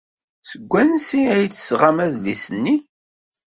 Seg wansi ay d-tesɣam adlis-nni?